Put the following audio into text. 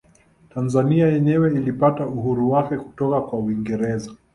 Tanzania yenyewe ilipata uhuru wake kutoka kwa Uingereza